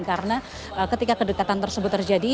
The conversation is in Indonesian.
karena ketika kedekatan tersebut terjadi